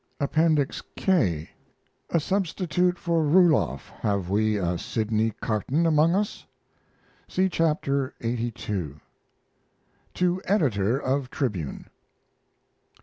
APPENDIX K A SUBSTITUTE FOR RULOFF HAVE WE A SIDNEY CARTON AMONG US? (See Chapter lxxxii) To EDITOR of 'Tribune'.